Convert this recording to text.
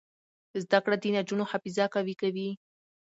زده کړه د نجونو حافظه قوي کوي.